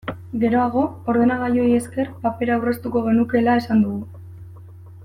Geroago, ordenagailuei esker, papera aurreztuko genukeela esan dugu.